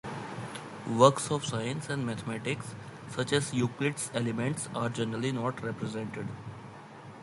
Works of science and mathematics, such as Euclid's "Elements", are generally not represented.